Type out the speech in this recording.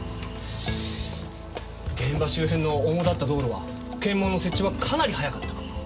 現場周辺の主だった道路は検問の設置はかなり早かった。